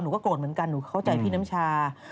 โกรธเหมือนกันหนูเข้าใจพี่น้ำชา